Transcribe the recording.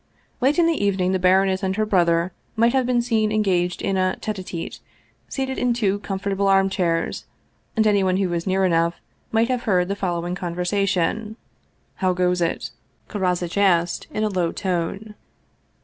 Late in the evening the baroness and her brother might have been seen engaged in a tete a tete, seated in two com fortable armchairs, and anyone who was near enough might have heard the following conversation :" How goes it ?" Karozitch asked in a low tone.